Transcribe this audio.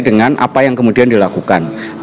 dengan apa yang kemudian dilakukan